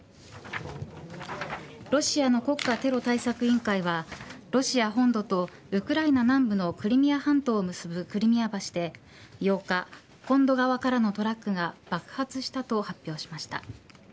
ロシアの国家テロ対策委員会はロシア本土とウクライナ南部のクリミア半島を結ぶクリミア橋で、８日本土側からのトラックが爆発したと発表しました。